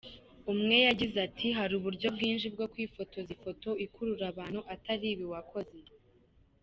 Umwe yagize ati “Hari uburyo bwinshi bwo kwifotoza ifoto ikurura abantu atari ibi wakoze.